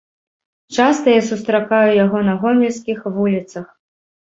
Часта я сустракаю яго на гомельскіх вуліцах.